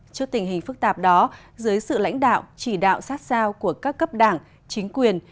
trước tình hình phức tạp đó dưới sự lãnh đạo chỉ đạo sát sao của các cấp đảng chính quyền